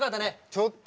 ちょっと。